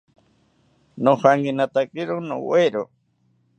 Nojankinatakiro nowero